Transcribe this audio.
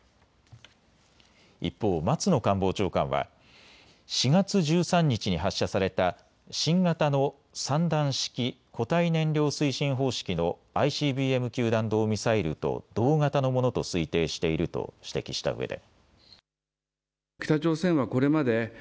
一方、松野官房長官は４月１３日に発射された新型の３段式、固体燃料推進方式のＩＣＢＭ級弾道ミサイルと同型のものと推定していると指摘したうえで。